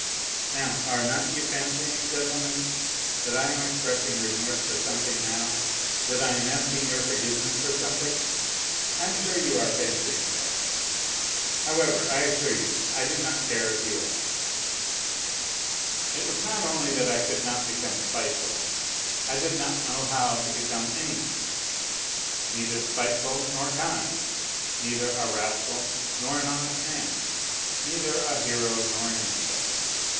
Now, are not you fancying, gentlemen, that I am expressing remorse for some thing now, that I am asking your forgiveness for something 1 I am sure you are fancying that ... However, I assure you I do not care if you are. .. i It was not only that I could not become spiteful, I did not know how to become anything : neither spiteful nor kind, neither a rascal nor an honest man, neither a hero nor an insect.